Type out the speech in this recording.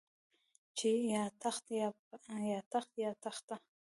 چې يا تخت يا تخته.